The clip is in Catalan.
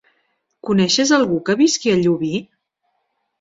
Coneixes algú que visqui a Llubí?